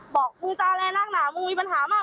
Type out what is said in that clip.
บอกมึงจารแหละนั่งหนาวมึงมีปัญหามาก